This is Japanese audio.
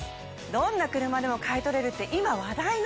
どんな車でも買い取れるって今話題の！